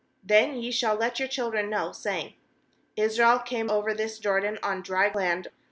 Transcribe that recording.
ssthen ye shall let your children know, saying: Israel came over this Jor dan on dry land.